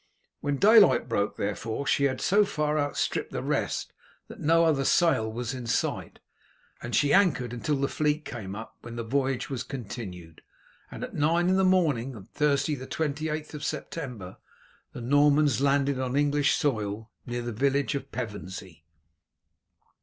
When daylight broke, therefore, she had so far outstripped the rest that no other sail was in sight, and she anchored until the fleet came up, when the voyage was continued, and at nine on the morning of Thursday the 28th of September the Normans landed on English soil, near the village of Pevensey.